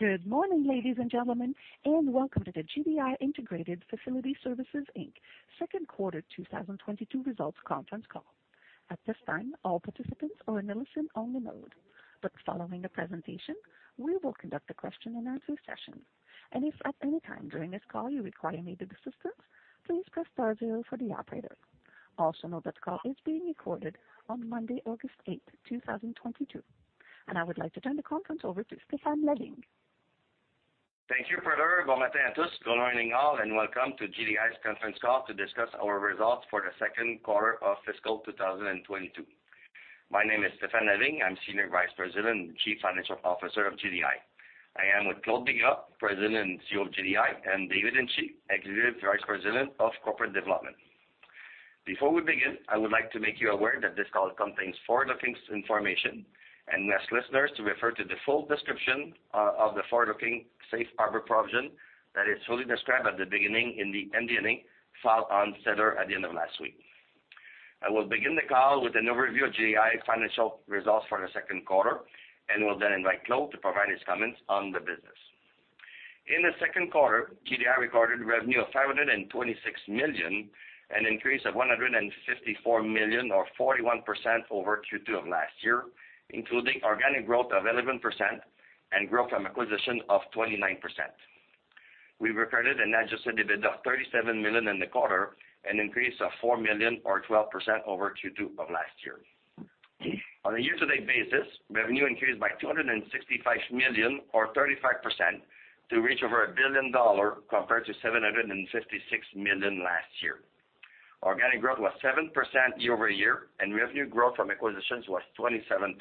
Good morning, ladies and gentlemen, and welcome to the GDI Integrated Facility Services Inc second quarter 2022 results conference call. At this time, all participants are in a listen-only mode. Following the presentation, we will conduct a question-and-answer session. If at any time during this call you require any assistance, please press star zero for the operator. Also note that the call is being recorded on Monday, August 8, 2022. I would like to turn the conference over to Stéphane Lavigne. Thank you, Prada. Bon matin à tous. Good morning all, and welcome to GDI's conference call to discuss our results for the second quarter of fiscal 2022. My name is Stéphane Lavigne. I'm Senior Vice President and Chief Financial Officer of GDI. I am with Claude Bigras, President and CEO of GDI, and David Hinchey, Executive Vice President of Corporate Development. Before we begin, I would like to make you aware that this call contains forward-looking information, and we ask listeners to refer to the full description of the forward-looking safe harbor provision that is fully described at the beginning in the MD&A file on SEDAR at the end of last week. I will begin the call with an overview of GDI financial results for the second quarter, and will then invite Claude to provide his comments on the business. In the second quarter, GDI recorded revenue of 526 million, an increase of 154 million or 41% over Q2 of last year, including organic growth of 11% and growth from acquisition of 29%. We recorded an adjusted EBITDA of 37 million in the quarter, an increase of 4 million or 12% over Q2 of last year. On a year-to-date basis, revenue increased by 265 million or 35% to reach over 1 billion dollar compared to 756 million last year. Organic growth was 7% year-over-year, and revenue growth from acquisitions was 27%.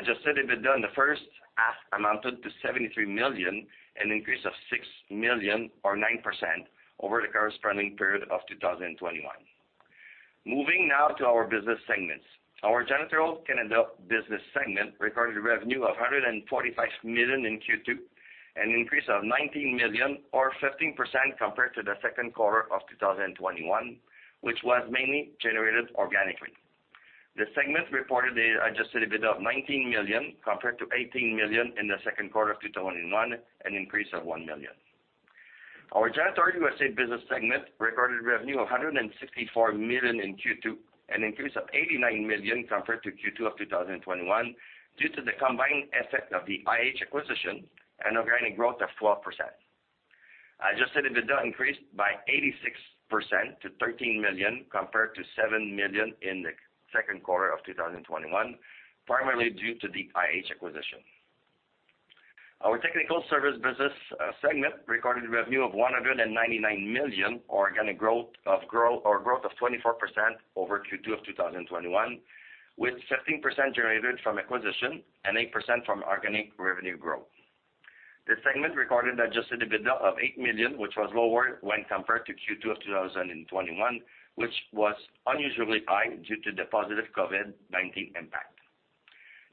Adjusted EBITDA in the first half amounted to 73 million, an increase of 6 million or 9% over the corresponding period of 2021. Moving now to our business segments. Our Janitorial Canada business segment recorded revenue of 145 million in Q2, an increase of 19 million or 15% compared to the second quarter of 2021, which was mainly generated organically. The segment reported an adjusted EBITDA of 19 million compared to 18 million in the second quarter of 2021, an increase of 1 million. Our Janitorial USA business segment recorded revenue of 164 million in Q2, an increase of 89 million compared to Q2 of 2021 due to the combined effect of the IH acquisition and organic growth of 12%. Adjusted EBITDA increased by 86% to 13 million compared to 7 million in the second quarter of 2021, primarily due to the IH acquisition. Our Technical Services segment recorded revenue of 199 million, organic growth of 24% over Q2 of 2021, with 15% generated from acquisition and 8% from organic revenue growth. This segment recorded adjusted EBITDA of 8 million, which was lower when compared to Q2 of 2021, which was unusually high due to the positive COVID-19 impact.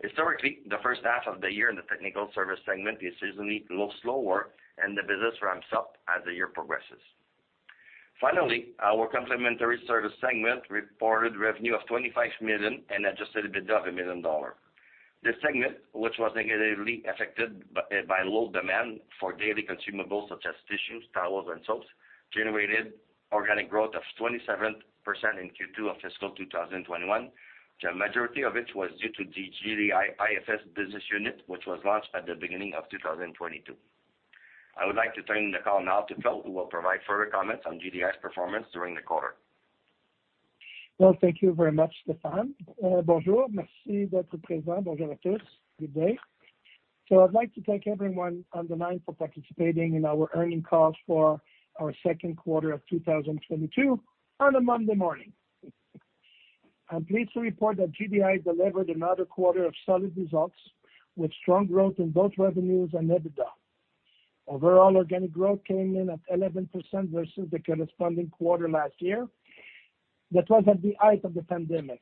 Historically, the first half of the year in the Technical Services segment is seasonally slower, and the business ramps up as the year progresses. Finally, our complementary service segment reported revenue of 25 million and adjusted EBITDA of 1 million dollars. This segment, which was negatively affected by low demand for daily consumables such as tissues, towels, and soaps, generated organic growth of 27% in Q2 of fiscal 2021. The majority of it was due to the GDI IFS business unit, which was launched at the beginning of 2022. I would like to turn the call now to Claude, who will provide further comments on GDI's performance during the quarter. Well, thank you very much, Stéphane. Bonjour. Merci. Bonjour à tous. Good day. I'd like to thank everyone on the line for participating in our earnings call for our second quarter of 2022 on a Monday morning. I'm pleased to report that GDI delivered another quarter of solid results with strong growth in both revenues and EBITDA. Overall, organic growth came in at 11% versus the corresponding quarter last year. That was at the height of the pandemic.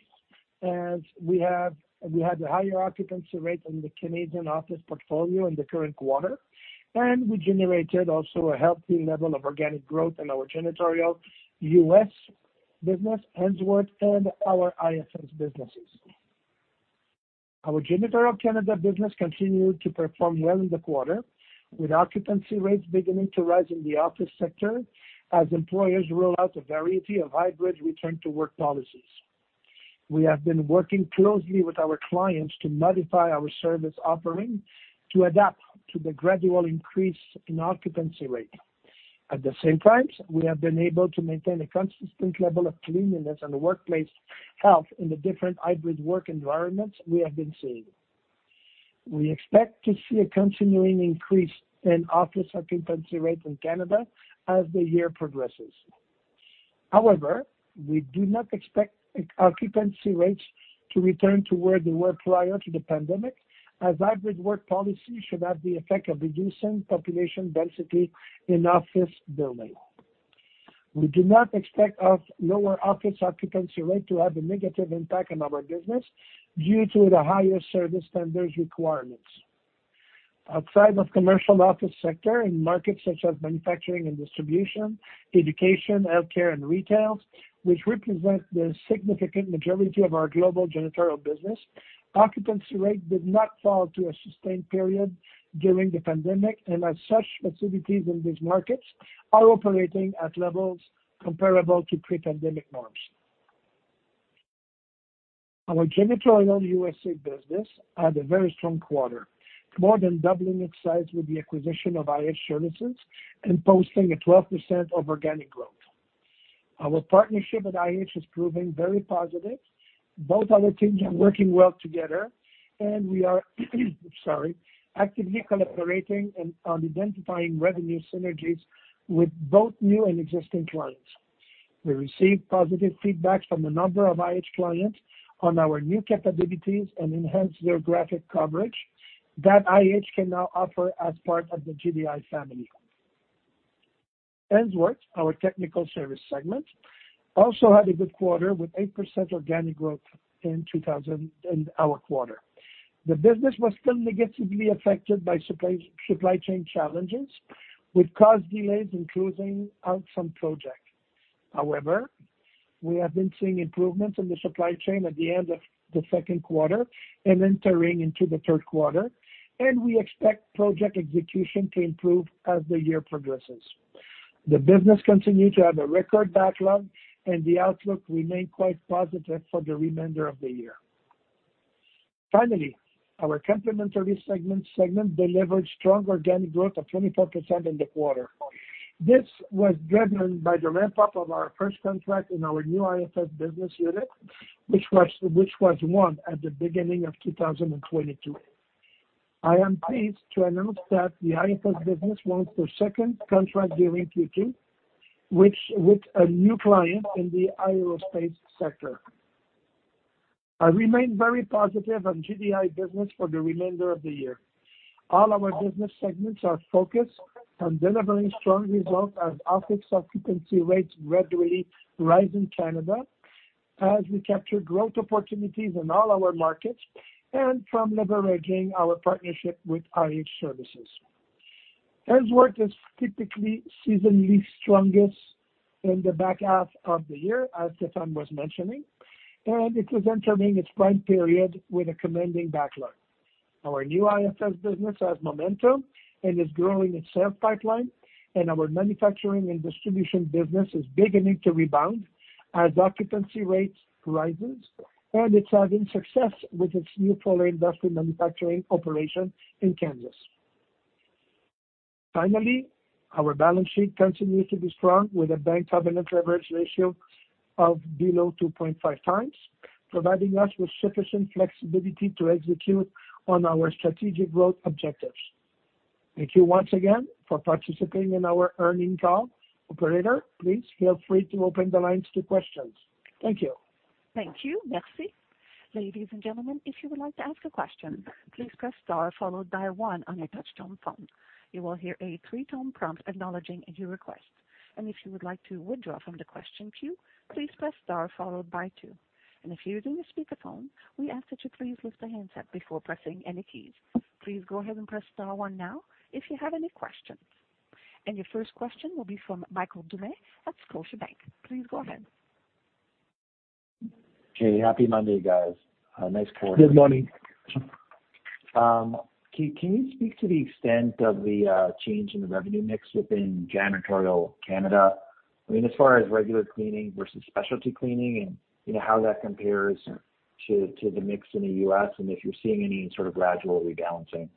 We had higher occupancy rates in the Canadian office portfolio in the current quarter, and we generated also a healthy level of organic growth in our Janitorial USA business, Ainsworth, and our IFS businesses. Our Janitorial Canada business continued to perform well in the quarter, with occupancy rates beginning to rise in the office sector as employers roll out a variety of hybrid return-to-work policies. We have been working closely with our clients to modify our service offering to adapt to the gradual increase in occupancy rate. At the same time, we have been able to maintain a consistent level of cleanliness and workplace health in the different hybrid work environments we have been seeing. We expect to see a continuing increase in office occupancy rate in Canada as the year progresses. However, we do not expect occupancy rates to return to where they were prior to the pandemic, as hybrid work policy should have the effect of reducing population density in office building. We do not expect a lower office occupancy rate to have a negative impact on our business due to the higher service standards requirements. Outside of commercial office sector in markets such as manufacturing and distribution, education, healthcare, and retail, which represent the significant majority of our global janitorial business, occupancy rate did not fall for a sustained period during the pandemic, and as such, facilities in these markets are operating at levels comparable to pre-pandemic norms. Our Janitorial USA business had a very strong quarter, more than doubling its size with the acquisition of IH Services and posting 12% organic growth. Our partnership with IH is proving very positive. Both our teams are working well together, and we are actively collaborating on identifying revenue synergies with both new and existing clients. We received positive feedback from a number of IH clients on our new capabilities and enhanced geographic coverage that IH can now offer as part of the GDI family. Ainsworth, our Technical Services segment, also had a good quarter with 8% organic growth in 2024 Q2. The business was still negatively affected by supply chain challenges, which caused delays in closing out some projects. However, we have been seeing improvements in the supply chain at the end of the second quarter and entering into the third quarter, and we expect project execution to improve as the year progresses. The business continued to have a record backlog, and the outlook remained quite positive for the remainder of the year. Finally, our complementary segment delivered strong organic growth of 24% in the quarter. This was driven by the ramp-up of our first contract in our new IFS business unit, which was won at the beginning of 2022. I am pleased to announce that the IFS business won its second contract during Q2, which with a new client in the aerospace sector. I remain very positive on GDI business for the remainder of the year. All our business segments are focused on delivering strong results as office occupancy rates gradually rise in Canada as we capture growth opportunities in all our markets and from leveraging our partnership with IH Services. Ainsworth is typically seasonally strongest in the back half of the year, as Stéphane was mentioning, and it is entering its prime period with a commanding backlog. Our new IFS business has momentum and is growing its sales pipeline, and our manufacturing and distribution business is beginning to rebound as occupancy rates rises, and it's having success with its new polar industrial manufacturing operation in Kansas. Finally, our balance sheet continues to be strong with a bank covenant leverage ratio of below 2.5x, providing us with sufficient flexibility to execute on our strategic growth objectives. Thank you once again for participating in our earnings call. Operator, please feel free to open the lines to questions. Thank you. Thank you. Merci. Ladies and gentlemen, if you would like to ask a question, please press star followed by one on your touchtone phone. You will hear a three-tone prompt acknowledging your request. If you would like to withdraw from the question queue, please press star followed by two. If you're using a speakerphone, we ask that you please lift the handset before pressing any keys. Please go ahead and press star one now if you have any questions. Your first question will be from Michael Doumet at Scotiabank. Please go ahead. Okay. Happy Monday, guys. Nice quarter. Good morning. Can you speak to the extent of the change in the revenue mix within Janitorial Canada? I mean, as far as regular cleaning versus specialty cleaning and, you know, how that compares to the mix in the U.S. and if you're seeing any sort of gradual rebalancing.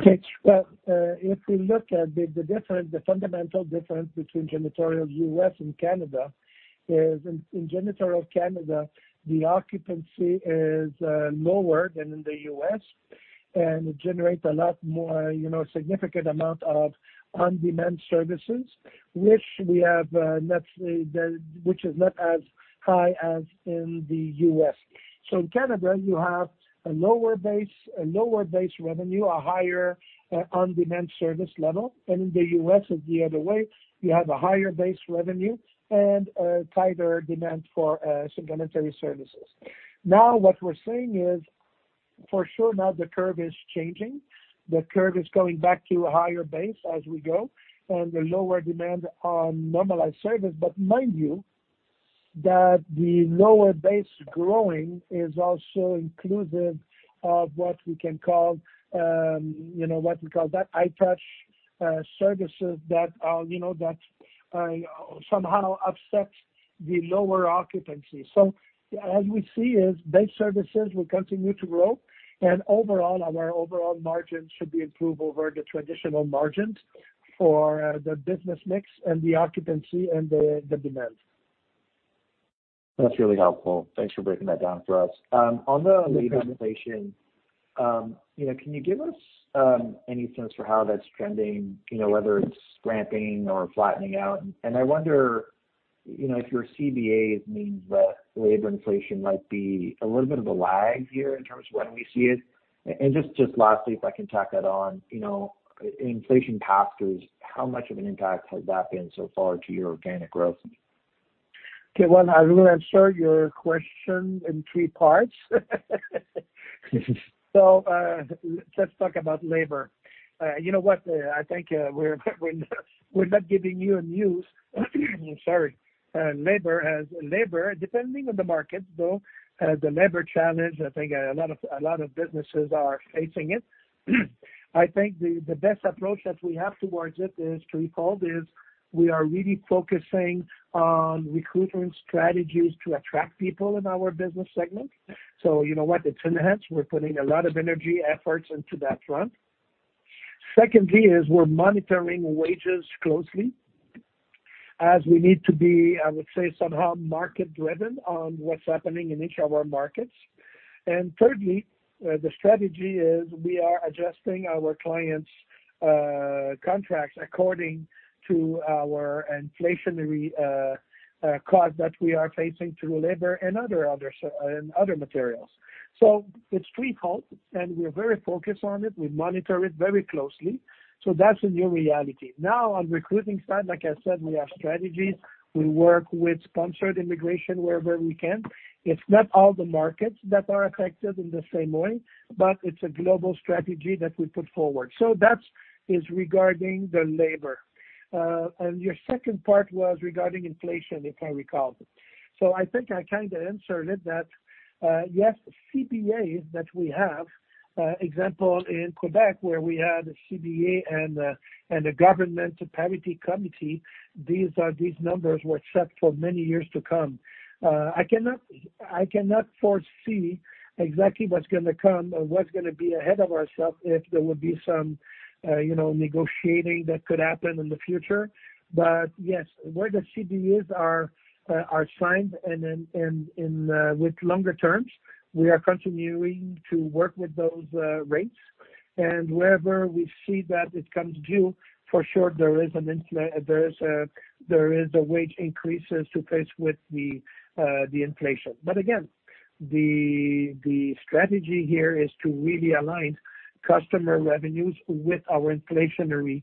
Okay. Well, if we look at the difference, the fundamental difference between Janitorial USA and Canada is in Janitorial Canada, the occupancy is lower than in the U.S., and it generates a lot more, you know, significant amount of on-demand services, which is not as high as in the U.S. In Canada, you have a lower base revenue, a higher on-demand service level. In the U.S., it's the other way. You have a higher base revenue and a tighter demand for supplementary services. Now, what we're seeing is for sure the curve is changing. The curve is going back to a higher base as we go and the lower demand on normalized service. Mind you that the lower base growing is also inclusive of what we call that iTouch services that, you know, that somehow offsets the lower occupancy. As we see is base services will continue to grow, and our overall margins should be improved over the traditional margins for the business mix and the occupancy and the demand. That's really helpful. Thanks for breaking that down for us. On the labor inflation, you know, can you give us any sense for how that's trending, you know, whether it's ramping or flattening out? I wonder, you know, if your CBA means that labor inflation might be a little bit of a lag here in terms of when we see it. Lastly, if I can tack that on, you know, inflation pressures, how much of an impact has that been so far to your organic growth? Well, I will answer your question in three parts. Let's talk about labor. You know what? I think we're not giving you any news. I'm sorry. Labor, depending on the market, though, the labor challenge, I think a lot of businesses are facing it. I think the best approach that we have towards it is threefold, we are really focusing on recruitment strategies to attract people in our business segment. You know what? It's enhanced. We're putting a lot of energy and efforts into that front. Second, we're monitoring wages closely as we need to be, I would say, somehow market-driven on what's happening in each of our markets. Thirdly, the strategy is we are adjusting our clients' contracts according to our inflationary cost that we are facing through labor and other materials. It's threefold, and we're very focused on it. We monitor it very closely. That's the new reality. Now, on recruiting side, like I said, we have strategies. We work with sponsored immigration wherever we can. It's not all the markets that are affected in the same way, but it's a global strategy that we put forward. That's regarding the labor. Your second part was regarding inflation, if I recall. I think I kinda answered it that yes, CBA that we have, example in Quebec, where we had a CBA and a government parity committee. These numbers were set for many years to come. I cannot foresee exactly what's gonna come or what's gonna be ahead of ourselves if there will be some, you know, negotiating that could happen in the future. Yes, where the CBAs are signed and with longer terms, we are continuing to work with those rates. Wherever we see that it comes due, for sure there is a wage increases to face with the inflation. Again, the strategy here is to really align customer revenues with our inflationary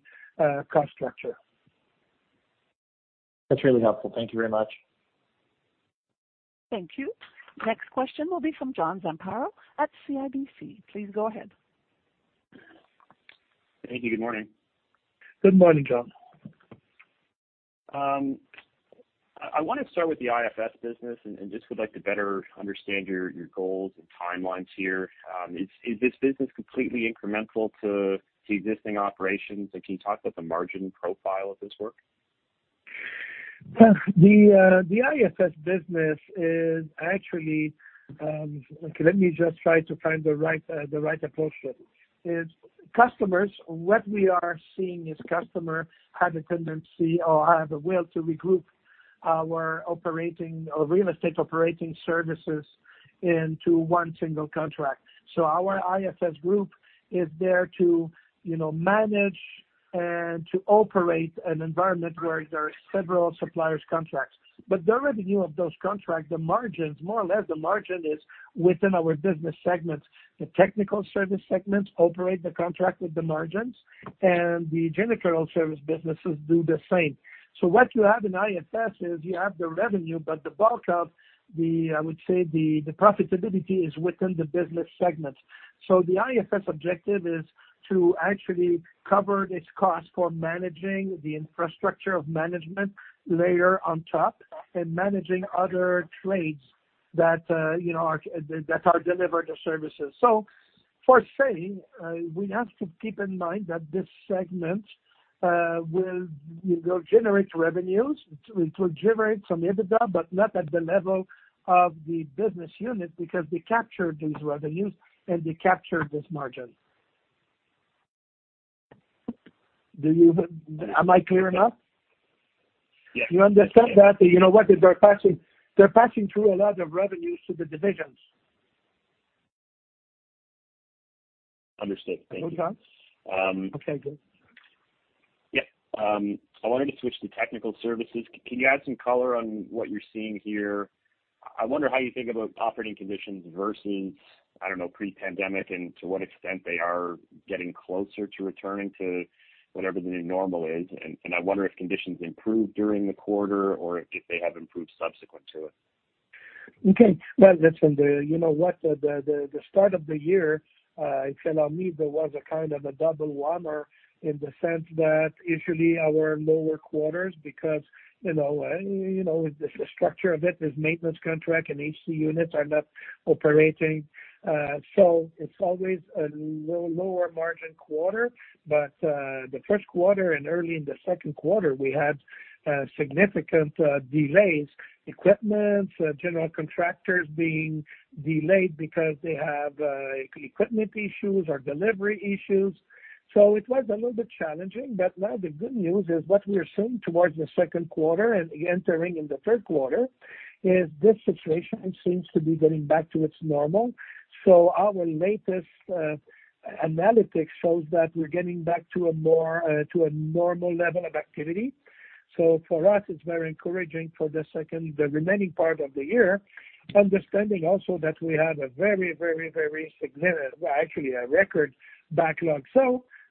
cost structure. That's really helpful. Thank you very much. Thank you. Next question will be from John Zamparo at CIBC. Please go ahead. Thank you. Good morning. Good morning, John. I wanna start with the IFS business and just would like to better understand your goals and timelines here. Is this business completely incremental to the existing operations? Can you talk about the margin profile of this work? The IFS business is actually. Okay, let me just try to find the right approach for it. What we are seeing is customers have a tendency or have a will to regroup our operating and real estate operating services into one single contract. Our IFS group is there to, you know, manage and to operate an environment where there are several supplier contracts. The revenue of those contracts, the margins, more or less, the margin is within our business segments. The Technical Services segments operate the contract with the margins, and the general service businesses do the same. What you have in IFS is you have the revenue, but the bulk of the, I would say, the profitability is within the business segments. The IFS objective is to actually cover its cost for managing the infrastructure of management layer on top and managing other trades that are delivered to services. For say, we have to keep in mind that this segment will generate revenues. It will generate some EBITDA, but not at the level of the business unit because they capture these revenues and they capture this margin. Am I clear enough? Yes. You understand that? You know what? They're passing through a lot of revenues to the divisions. Understood. Thank you. Okay, John. Um... Okay, good. Yeah. I wanted to switch to Technical Services. Can you add some color on what you're seeing here? I wonder how you think about operating conditions versus, I don't know, pre-pandemic and to what extent they are getting closer to returning to whatever the new normal is. I wonder if conditions improved during the quarter or if they have improved subsequent to it. Okay. Well, listen, you know what? The start of the year, if you allow me, there was a kind of a double whammy in the sense that usually our lower quarters because, you know, the structure of it is maintenance contract and AC units are not operating. So it's always a lower margin quarter. The first quarter and early in the second quarter, we had significant delays, equipment, general contractors being delayed because they have equipment issues or delivery issues. So it was a little bit challenging. Now the good news is what we are seeing towards the second quarter and entering in the third quarter is this situation seems to be getting back to its normal. Our latest analytics shows that we're getting back to a more to a normal level of activity. For us, it's very encouraging for the remaining part of the year, understanding also that we have a very significant, well, actually a record backlog.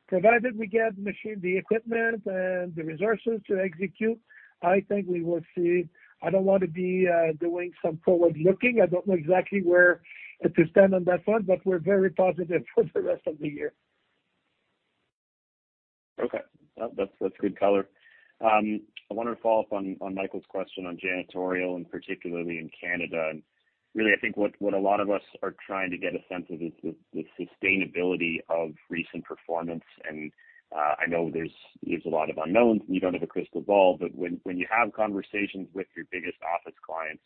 Provided we get machinery, the equipment and the resources to execute, I think we will see. I don't want to be doing some forward-looking. I don't know exactly where to stand on that one, but we're very positive for the rest of the year. Okay. That's good color. I wanted to follow up on Michael's question on Janitorial and particularly in Canada. I think what a lot of us are trying to get a sense of is the sustainability of recent performance. I know there's a lot of unknowns and you don't have a crystal ball. But when you have conversations with your biggest office clients,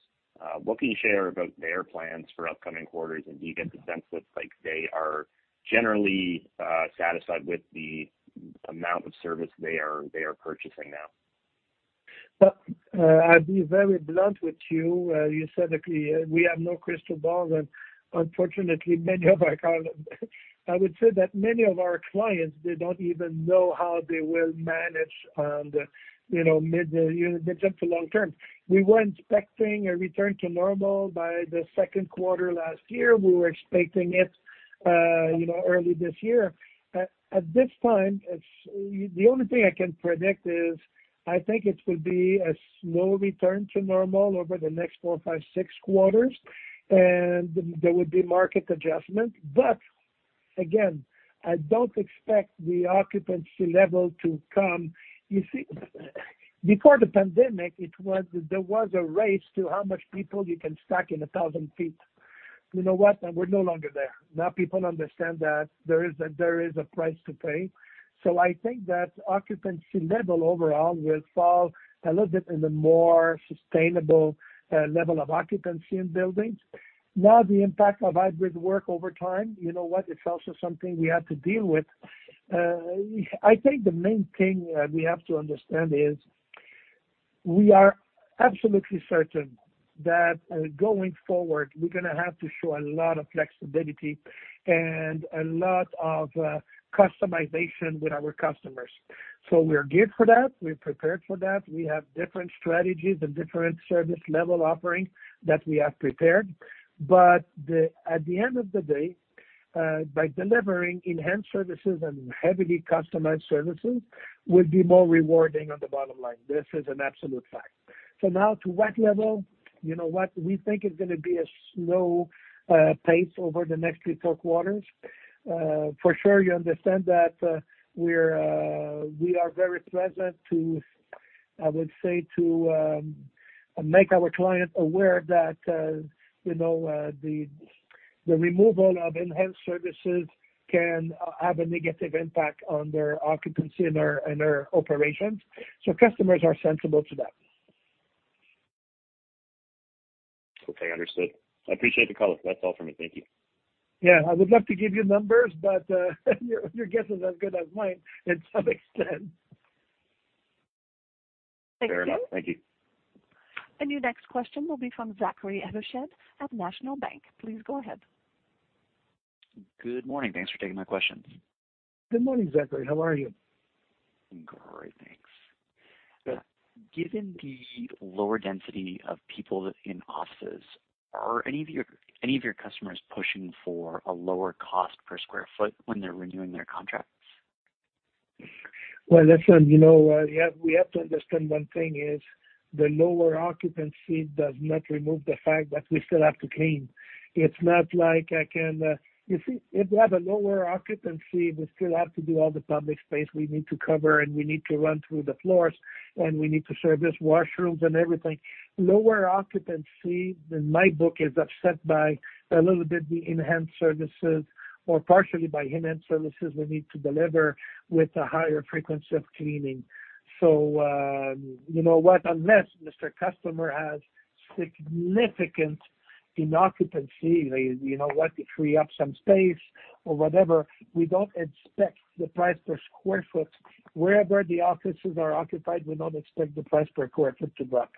what can you share about their plans for upcoming quarters? Do you get the sense that like they are generally satisfied with the amount of service they are purchasing now? Well, I'll be very blunt with you. You said that we have no crystal ball, and unfortunately many of our clients, I would say many of our clients, they don't even know how they will manage, you know, midyear, mid-term to long-term. We were expecting a return to normal by the second quarter last year. We were expecting it, you know, early this year. At this time, it's the only thing I can predict is I think it will be a slow return to normal over the next four, five, six quarters, and there would be market adjustment. But again, I don't expect the occupancy level to come. You see, before the pandemic it was there was a race to how much people you can stack in 1,000 ft. You know what? We're no longer there. Now people understand that there is a price to pay. I think that occupancy level overall will fall a little bit in the more sustainable level of occupancy in buildings. Now, the impact of hybrid work over time, you know what? It's also something we have to deal with. I think the main thing we have to understand is we are absolutely certain that going forward, we're gonna have to show a lot of flexibility and a lot of customization with our customers. We're geared for that. We're prepared for that. We have different strategies and different service level offerings that we have prepared. At the end of the day, by delivering enhanced services and heavily customized services will be more rewarding on the bottom line. This is an absolute fact. Now to what level? You know what? We think it's gonna be a slow pace over the next three, four quarters. For sure, you understand that we are very pleased to, I would say, make our client aware that you know the removal of enhanced services can have a negative impact on their occupancy and their operations. Customers are sensitive to that. Okay, understood. I appreciate the color. That's all for me. Thank you. Yeah, I would love to give you numbers, but your guess is as good as mine to some extent. Thank you. Fair enough. Thank you. Your next question will be from Zachary Evershed at National Bank. Please go ahead. Good morning. Thanks for taking my questions. Good morning, Zachary. How are you? I'm great. Thanks. Given the lower density of people in offices, are any of your customers pushing for a lower cost per square foot when they're renewing their contracts? Well, listen, you know, we have to understand one thing is the lower occupancy does not remove the fact that we still have to clean. It's not like I can. You see, if we have a lower occupancy, we still have to do all the public space we need to cover, and we need to run through the floors, and we need to service washrooms and everything. Lower occupancy in my book is offset by a little bit the enhanced services or partially by enhanced services we need to deliver with a higher frequency of cleaning. You know what? Unless Mr. Customer has significant decline in occupancy, you know what? To free up some space or whatever, we don't expect the price per square foot. Wherever the offices are occupied, we don't expect the price per square foot to drop.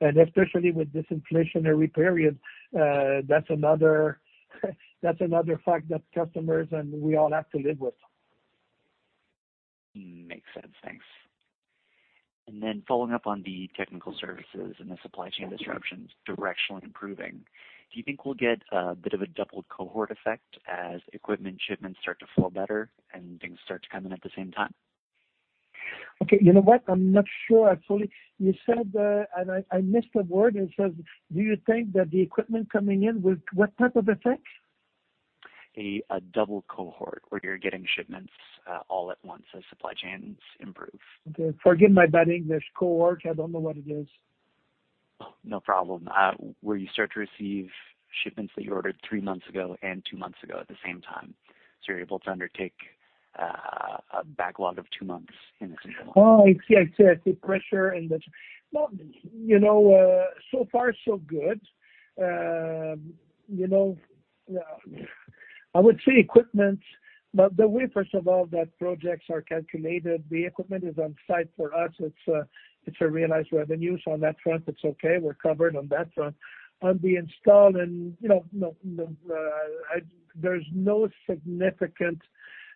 Especially with this inflationary period, that's another fact that customers and we all have to live with. Makes sense. Thanks. Following up on the Technical Services and the supply chain disruptions directionally improving, do you think we'll get a bit of a double cohort effect as equipment shipments start to flow better and things start to come in at the same time? Okay. You know what? I'm not sure actually. You said, and I missed a word. It says, do you think that the equipment coming in with what type of effect? A double cohort where you're getting shipments all at once as supply chains improve. Okay. Forgive my bad English. Cohort, I don't know what it is. No problem. Where you start to receive shipments that you ordered three months ago and two months ago at the same time, so you're able to undertake a backlog of two months in a single. I see. Well, you know, so far so good. You know, I would say equipment. By the way, first of all, the way projects are calculated, the equipment is on site for us. It's realized revenues. On that front, it's okay. We're covered on that front. On the install and, you know, the, there's no significant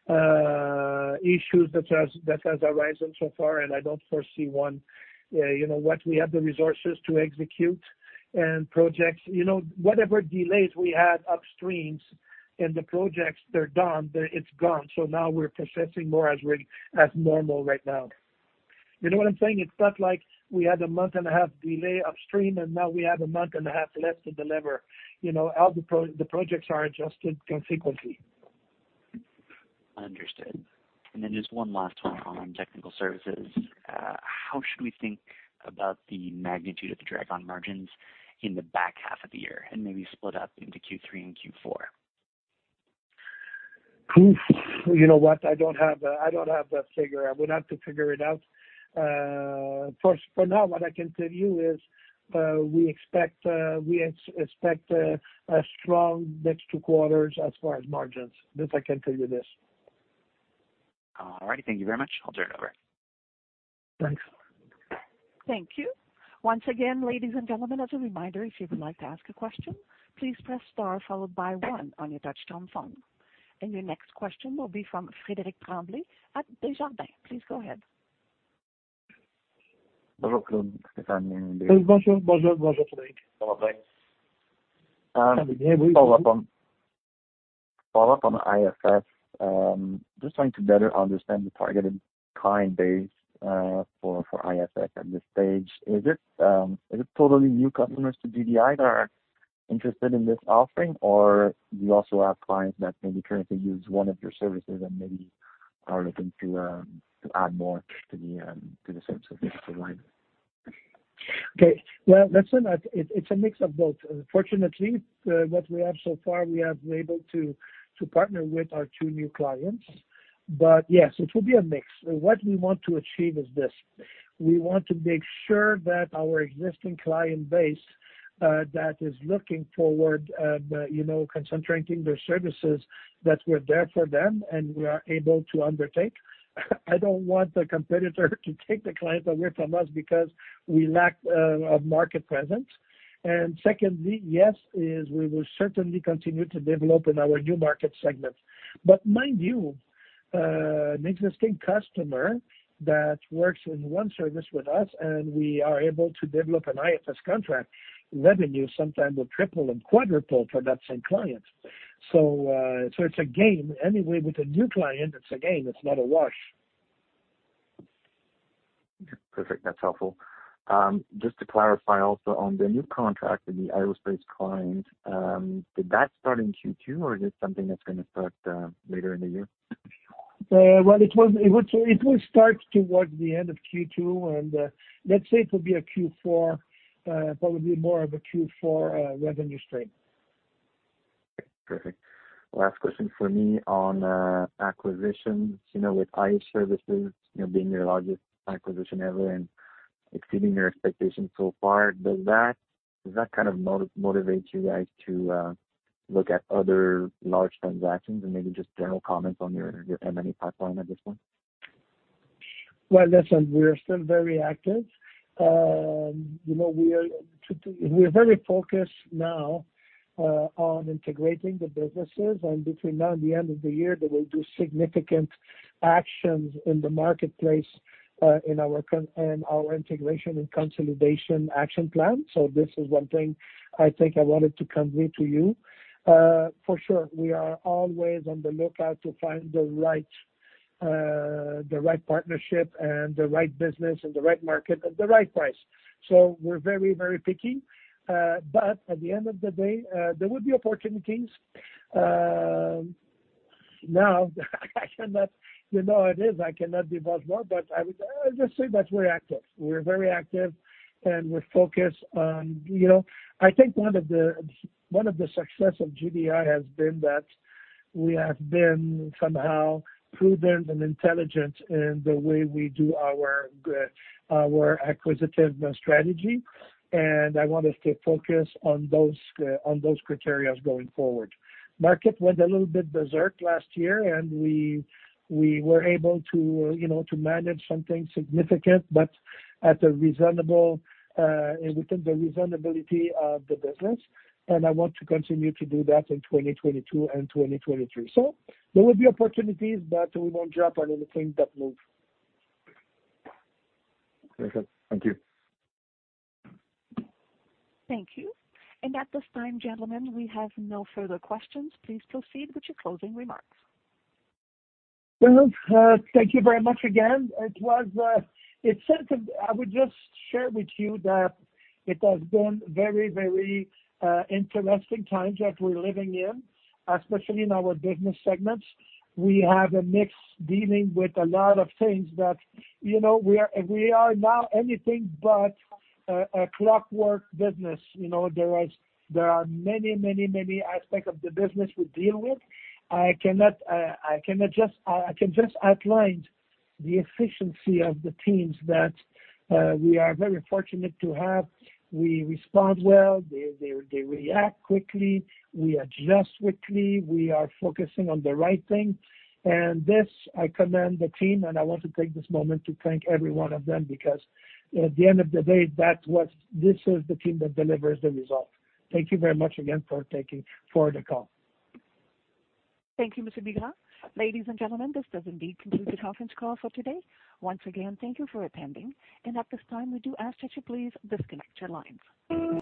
issues that has arisen so far, and I don't foresee one. You know what? We have the resources to execute on projects. You know, whatever delays we had upstream in the projects, they're done. It's gone. So now we're processing more as normal right now. You know what I'm saying? It's not like we had a month and a half delay upstream, and now we have a month and a half left to deliver. You know, all the projects are adjusted consequently. Understood. Then just one last one on Technical Services. How should we think about the magnitude of the drag on margins in the back half of the year, and maybe split up into Q3 and Q4? Oof. You know what? I don't have a figure. I would have to figure it out. First, for now, what I can tell you is, we expect a strong next two quarters as far as margins. This, I can tell you this. All right. Thank you very much. I'll turn it over. Thanks. Thank you. Once again, ladies and gentlemen, as a reminder, if you would like to ask a question, please press star followed by one on your touchtone phone. Your next question will be from Frederick Tremblay at Desjardins. Please go ahead. Follow up on the IFS. Just trying to better understand the targeted client base for IFS at this stage. Is it totally new customers to GDI that are interested in this offering, or do you also have clients that maybe currently use one of your services and maybe are looking to add more to the services provided? Okay. Well, listen, it's a mix of both. Fortunately, what we have so far, we have been able to partner with our two new clients. Yes, it will be a mix. What we want to achieve is this. We want to make sure that our existing client base that is looking forward, you know, concentrating their services, that we're there for them, and we are able to undertake. I don't want the competitor to take the client away from us because we lack a market presence. Secondly, yes, we will certainly continue to develop in our new market segments. Mind you, an existing customer that works in one service with us and we are able to develop an IFS contract, revenue sometime will triple and quadruple for that same client. So it's a game. Anyway, with a new client, it's a gain. It's not a wash. Perfect. That's helpful. Just to clarify also on the new contract with the aerospace client, did that start in Q2, or is it something that's gonna start later in the year? Well, it will start towards the end of Q2, and let's say it will be a Q4, probably more of a Q4 revenue stream. Perfect. Last question for me on acquisitions. You know, with IH Services, you know, being your largest acquisition ever and exceeding your expectations so far, does that kind of motivate you guys to look at other large transactions and maybe just general comments on your M&A pipeline at this point? Well, listen, we are still very active. You know, we are very focused now on integrating the businesses, and between now and the end of the year, they will do significant actions in the marketplace in our integration and consolidation action plan. This is one thing I think I wanted to convey to you. For sure, we are always on the lookout to find the right partnership and the right business and the right market at the right price. We're very, very picky. At the end of the day, there will be opportunities. You know how it is. I cannot divulge more, but I would just say that we're active. We're very active, and we're focused on. You know, I think one of the success of GDI has been that we have been somehow prudent and intelligent in the way we do our acquisitive strategy, and I want us to focus on those criteria going forward. Market went a little bit berserk last year, and we were able to, you know, to manage something significant, but at a reasonable within the reasonability of the business. I want to continue to do that in 2022 and 2023. There will be opportunities, but we won't drop anything that moves. Very good. Thank you. Thank you. At this time, gentlemen, we have no further questions. Please proceed with your closing remarks. Well, thank you very much again. I would just share with you that it has been very interesting times that we're living in, especially in our business segments. We have a mix dealing with a lot of things that, you know, we are now anything but a clockwork business. You know, there are many aspects of the business we deal with. I can just outline the efficiency of the teams that we are very fortunate to have. We respond well. They react quickly. We adjust quickly. We are focusing on the right thing. This, I commend the team, and I want to take this moment to thank every one of them because at the end of the day, this is the team that delivers the results. Thank you very much again for the call. Thank you, Mr. Bigras. Ladies and gentlemen, this does indeed conclude the conference call for today. Once again, thank you for attending. At this time, we do ask that you please disconnect your lines.